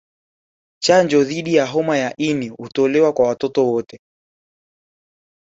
Chanjo dhidi ya homa ya ini hutolewa kwa watoto wote